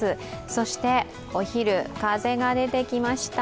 そしてお昼、風が出てきました。